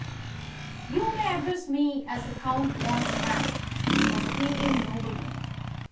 "You may address me as the Count von Kramm, a Bohemian nobleman.